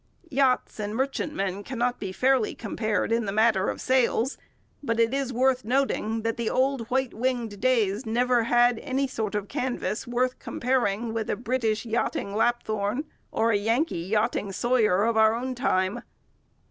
Yachts and merchantmen cannot be fairly compared in the matter of their sails. But it is worth noting that the old 'white winged days' never had any sort of canvas worth comparing with a British yachting 'Lapthorn' or a Yankee yachting 'Sawyer' of our own time.